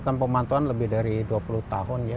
dan pemantauan lebih dari dua puluh tahun ya